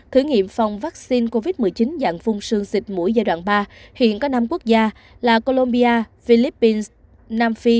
thử nghiệm phòng vắc xin covid một mươi chín dạng phun sương xịt mũi giai đoạn ba hiện có năm quốc gia là colombia philippines nam phi indonesia và việt nam